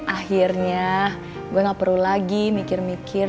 akhirnya gue gak perlu lagi mikir mikir